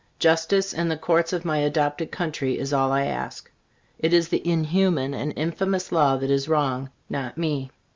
Justice in the Courts of my adopted country is all I ask. It is the inhuman and infamous law that is wrong, not me.